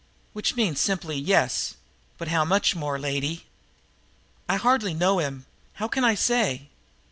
"Which means simply yes. But how much more, lady?" "I hardly know him. How can I say?"